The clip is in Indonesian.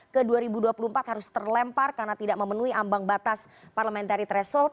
ke dua ribu dua puluh empat harus terlempar karena tidak memenuhi ambang batas parliamentary threshold